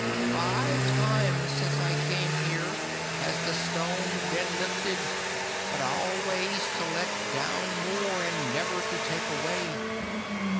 "Five times since I came here has the stone been lifted, but always to let down more, and never to take away.